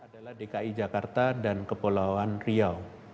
adalah dki jakarta dan kepulauan riau